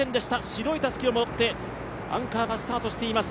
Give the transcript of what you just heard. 白いたすきを持って、アンカーがスタートしています。